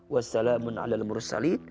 wassalamun ala ala mursali